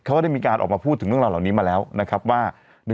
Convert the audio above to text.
ก็ได้มีการออกมาพูดถึงเรื่องราวเหล่านี้มาแล้วนะครับว่า